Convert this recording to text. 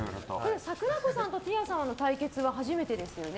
さくらこさんとティア様の対決は初めてですよね。